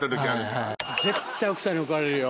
絶対奥さんに怒られるよ。